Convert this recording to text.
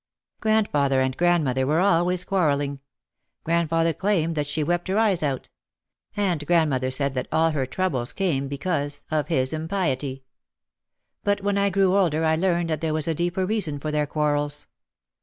Grandfather and grandmother were always quarrel ling. Grandfather claimed that she wept her eyes out. And grandmother said that all her troubles came because 34 OUT OF THE SHADOW of his impiety. But when I grew older I learned that there was a deeper reason for their quarrels.